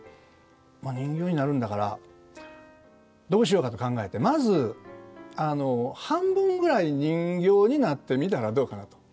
まあ人形になるんだからどうしようかと考えてまず半分ぐらい人形になってみたらどうかなと。